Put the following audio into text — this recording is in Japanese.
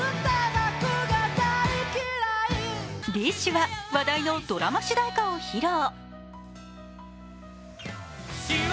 ＤＩＳＨ／／は話題のドラマ主題歌を披露。